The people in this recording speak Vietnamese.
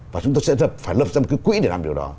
và chúng tôi sẽ phải lập ra một cái quỹ để làm điều đó